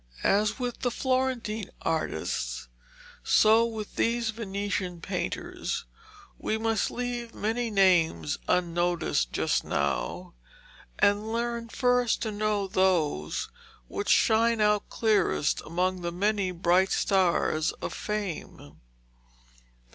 As with the Florentine artists, so with these Venetian painters, we must leave many names unnoticed just now, and learn first to know those which shine out clearest among the many bright stars of fame.